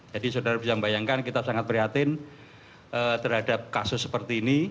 jadi saudara bisa membayangkan kita sangat prihatin terhadap kasus seperti ini